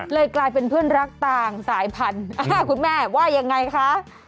กลายเป็นเพื่อนรักต่างสายพันธุ์คุณแม่ว่ายังไงคะ